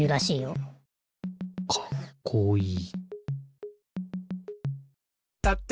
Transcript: かっこいい。